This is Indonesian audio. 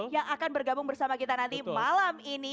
yang akan bergabung bersama kita nanti malam ini